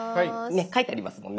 ねっ書いてありますもんね。